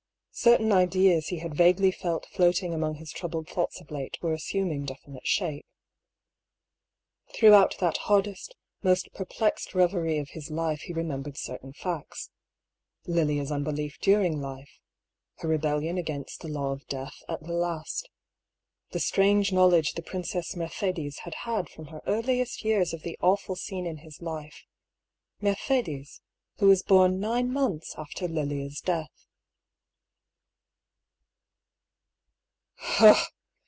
Certain ideas he had vague ly felt floating among his troubled thoughts of late were assuming definite shape. Throughout that hardest, most perplexed reverie of his life he remembered certain facts. Lilia's unbelief during life : her rebellion against the law of Death at the last. The strange knowledge the Princess Mercedes had had from her earliest years of the awful scene in his life — Mercedes, who was bom nine months after Lilia's death.